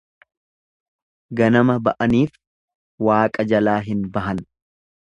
Ganama ba'anif waaqa jalaa hin bahan.